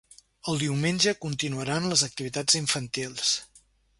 El diumenge continuaran les activitats infantils.